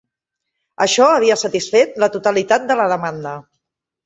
Això havia satisfet la totalitat de la demanda.